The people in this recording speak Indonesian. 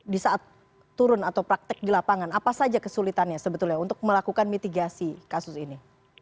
di saat turun atau praktek di lapangan apa saja kesulitannya sebetulnya untuk melakukan mitigasi kasus ini